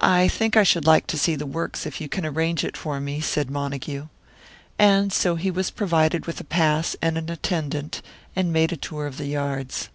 "I think I should like to see the works, if you can arrange it for me," said Montague. And so he was provided with a pass and an attendant, and made a tour of the yards.